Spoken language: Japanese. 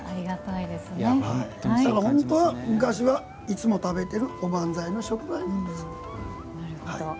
本当は昔はいつも食べているおばんざいの食材なんですよ。